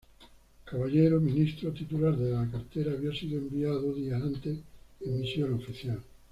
Caballero, Ministro titular de la cartera había sido enviado, días antes, en misión oficial.